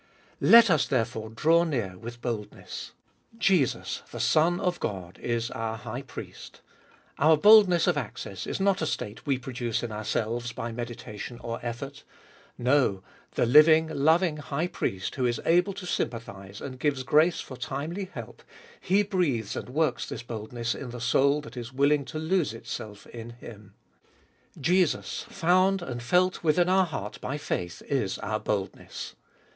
Let us, therefore, draw near with boldness ! Jesus the Son God is our High Priest. Our boldness of access is not a state 174 abc Ibolfest of 2111 we produce in ourselves by meditation or effort. No, the living, loving High Priest, who is able to sympathise and gives grace for timely help, He breathes and works this boldness in the soul that is willing to lose itself in Him. Jesus, found and felt within our heart by faith, is our boldness.